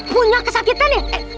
punya kesakitan ya